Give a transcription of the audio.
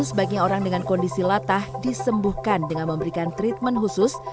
sebagian orang dengan kondisi latah disembuhkan dengan memberikan treatment khusus